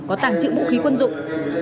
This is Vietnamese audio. có tàng trữ vũ khí quân dụng